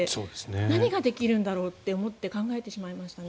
何ができるんだろうって思って考えてしまいましたね。